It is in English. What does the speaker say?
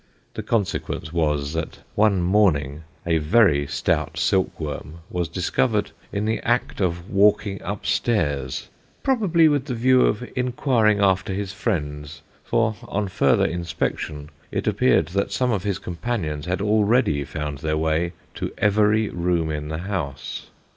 The consequence was, that one morning a very stout silkworm was discovered in the act of walking up stairs prob ably with the view of inquiring after his friends, for, on further inspection, it appeared that some of his companions had already found their way to every room in the house.